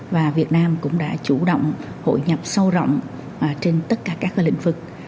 và việt nam cũng đã chủ động hội nhập sâu rộng trên tất cả các lĩnh vực